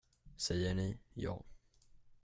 Säger ni, ja.